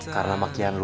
karena makian lu